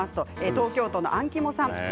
東京都の方です。